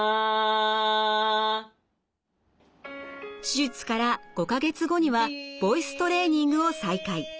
手術から５か月後にはボイストレーニングを再開。